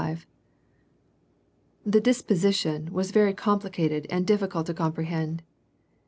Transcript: The "disposition" was very complicated and difficult to comprehend.